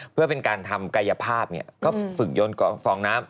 เพื่อเป็นการทำกายภาพก็ฝึกยนต์ฟองน้ำ